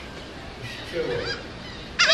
Mceččaweɣ.